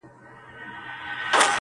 کټ یې مات کړ هر څه ولوېدل د لاندي!.